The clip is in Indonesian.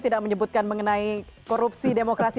tidak menyebutkan mengenai korupsi demokrasi